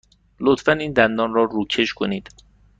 لطفاً این دندان را روکش کنید.